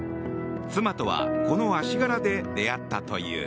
妻とは、この「あしがら」で出会ったという。